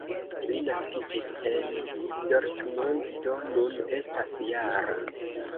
Li naskiĝis en Dortmund, do nun estas -jara.